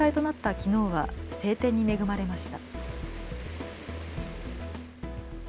きのうは晴天に恵まれました。